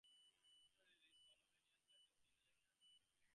After his release, Solovyov settled in Leningrad.